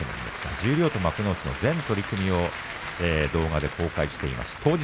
十両と幕内、全取組を映像で公開しています。